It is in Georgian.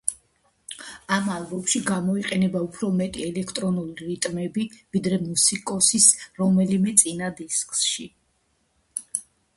ამ ალბომში გამოიყენება უფრო მეტი ელექტრონული რიტმები, ვიდრე მუსიკოსის რომელიმე წინა დისკში.